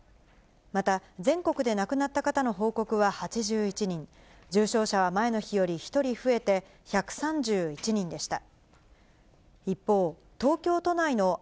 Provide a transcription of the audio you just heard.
また、全国で亡くなった方の報告は８１人、重症者は前の日より１人増えて、１３１人でした。